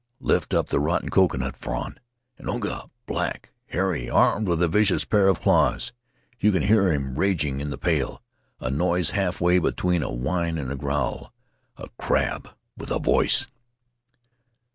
Lift up that rotten coconut frond ... an unga, black, hairy, armed with a vicious pair of claws; you can hear him raging in the pail, a noise halfway between a whine and a growl — a crab with a voice!